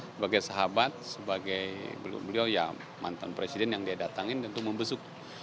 sebagai sahabat sebagai beliau ya mantan presiden yang dia datangin untuk membesuk